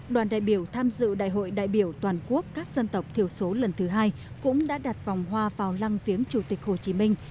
đoàn đại biểu tham dự đại hội đại biểu toàn quốc các dân tộc thiểu số lần thứ hai cũng đã đặt vòng hoa vào lăng viếng chủ tịch hồ chí minh